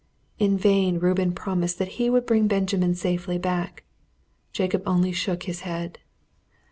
In vain Reuben promised that he would bring Benjamin safely back. Jacob only shook his head.